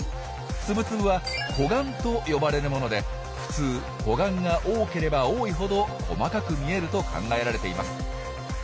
ツブツブは「個眼」と呼ばれるもので普通個眼が多ければ多いほど細かく見えると考えられています。